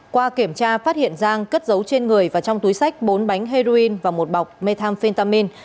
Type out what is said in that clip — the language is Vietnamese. qua kiểm tra phát hiện giang cất dấu trên người và trong túi sách bốn bánh heroin và một bọc methamphetamin